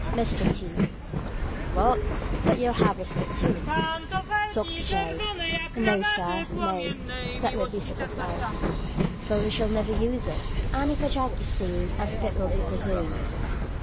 MR. T. "Well, but you'll have a spit too." DR. J. "No, Sir, no; that would be superfluous; for we shall never use it; and if a jack is seen, a spit will be presumed."